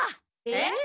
えっ？